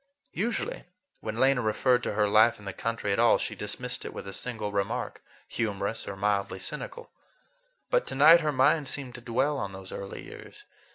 Usually, when Lena referred to her life in the country at all, she dismissed it with a single remark, humorous or mildly cynical. But to night her mind seemed to dwell on those early years.